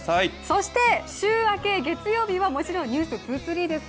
そして、週明け月曜日はもちろん「ｎｅｗｓ２３」です。